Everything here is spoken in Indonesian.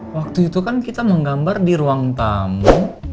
waktu itu kan kita menggambar di ruang tamu